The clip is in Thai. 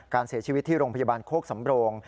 การเสียชีวิตที่โรงพยาบาลโคกสำโรง